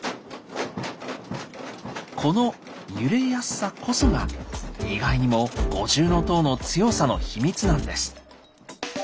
この揺れやすさこそが意外にも五重塔の強さのヒミツなんです。